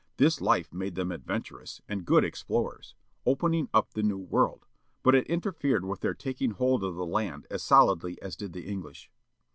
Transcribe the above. This life made them advent\irous, and good explorers, opening up the new world, but it interfered with their taking hold of the land as solidly as did the English.